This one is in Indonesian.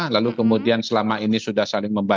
lalu kemudian selama ini sudah saling membaca